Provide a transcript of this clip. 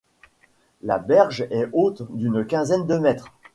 La berge est haute d’une quinzaine de mètres.